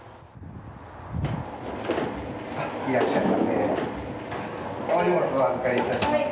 いらっしゃいませ。